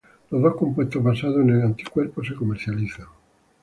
Los dos compuestos basados en anticuerpos se comercializan.